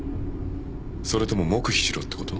それとも黙秘しろって事？